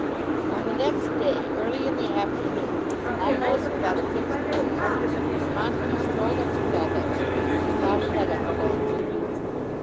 On the next day, early in the afternoon, almost without a fixed purpose, Montague strolled up to Welbeck Street, and found Hetta alone.